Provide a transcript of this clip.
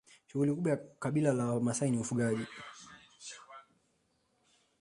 shughuli kubwa ya kabila la wamasai ni ufugaji